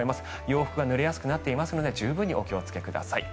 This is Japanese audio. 洋服がぬれやすくなっていますので十分にお気をつけください。